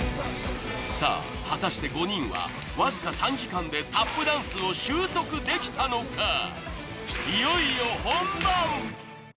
さぁ果たして５人はわずか３時間でタップダンスを習得できたのか？